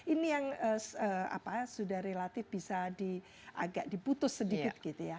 ini yang sudah relatif bisa agak diputus sedikit gitu ya